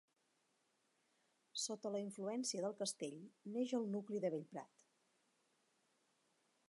Sota la influència del castell neix el nucli de Bellprat.